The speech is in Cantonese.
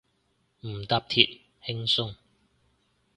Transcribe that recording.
唔搭鐵，輕鬆